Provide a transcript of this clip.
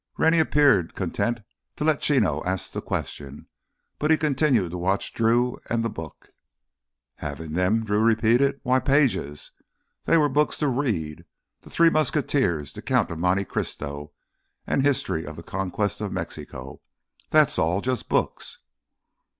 Rennie appeared content to let Chino ask the questions, but he continued to watch Drew and the book. "Have in them?" Drew repeated. "Why pages. They were books to read—The Three Musketeers, The Count of Monte Cristo, and History of the Conquest of Mexico. That's all, just books."